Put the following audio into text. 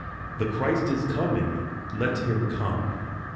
The Christ is coming ! Let him come.